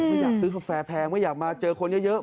ไม่อยากซื้อกาแฟแพงไม่อยากมาเจอคนเยอะ